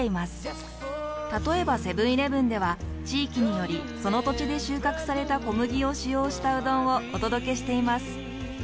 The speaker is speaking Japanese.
例えばセブンーイレブンでは地域によりその土地で収穫された小麦を使用したうどんをお届けしています。